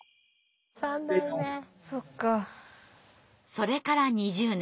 それから２０年。